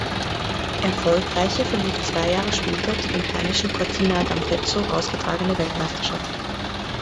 Erfolgreicher verlief zwei Jahre später die im heimischen Cortina d’Ampezzo ausgetragene Weltmeisterschaft.